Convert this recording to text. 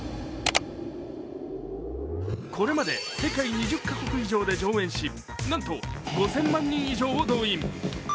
これまで世界２０カ国以上で上演し、なんと５０００万人以上を動員。